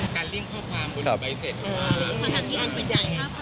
การลิ่งข้อความบริษัทโฮนุมานเพราะว่าผลิตต้องตามกฎหมาย